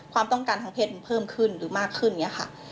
ความต้องการทางเพศมันเพิ่มขึ้นหรือมากขึ้นอย่างนี้ค่ะ